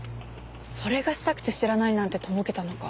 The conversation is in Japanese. それがしたくて知らないなんてとぼけたのか。